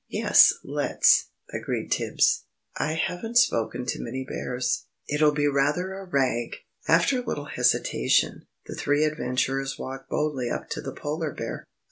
"Yes, let's," agreed Tibbs. "I haven't spoken to many bears it'll be rather a rag!" After a little hesitation, the three adventurers walked boldly up to the Polar Bear.